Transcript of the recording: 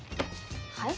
はい？